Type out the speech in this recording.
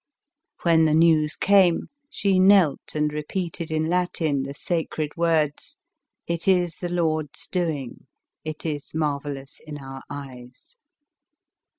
" When the news came, she knelt and repeated in Latin the sacred words: — "It is the Lord's doing, it is mar vellous in our eyes."